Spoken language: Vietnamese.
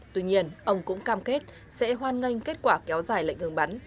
tuy nhiên ông cũng cam kết sẽ hoan nghênh kết quả kéo dài lệnh ngừng bắn